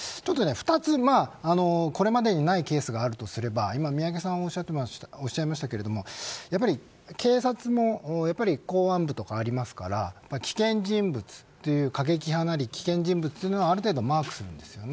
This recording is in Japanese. ２つ、これまでにないケースがあるとすれば宮家さんおっしゃいましたけれど警察も公安部とかありますから危険人物という、過激派なり危険人物はある程度マークしています。